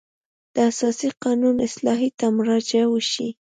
د اساسي قانون اصلاحیې ته مراجعه وشي.